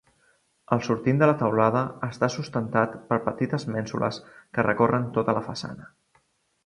El sortint de la teulada està sustentat per petites mènsules que recorren tota la façana.